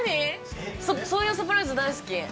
そういうサプライズ大好き。